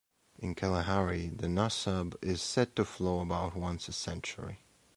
In the Kalahari, the Nossob is said to flow about once a century.